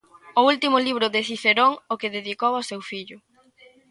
O último libro de Cicerón o que dedicou ao seu fillo.